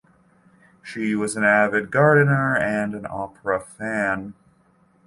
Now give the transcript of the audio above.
She was an avid gardener and opera fan.